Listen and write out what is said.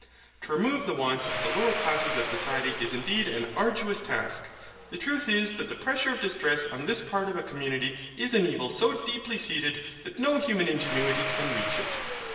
To remove the wants of the lower classes of society is indeed an arduous task. The truth is that the pressure of distress on this part of a community is an evil so deeply seated that no human ingenuity can reach it.